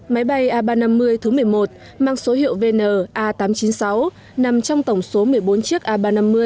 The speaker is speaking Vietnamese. máy bay a ba trăm năm mươi thứ một mươi một mang số hiệu vn a tám trăm chín mươi sáu nằm trong tổng số một mươi bốn chiếc a ba trăm năm mươi